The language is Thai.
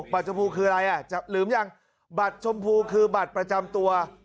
ชมพูคืออะไรอ่ะจะลืมยังบัตรชมพูคือบัตรประจำตัว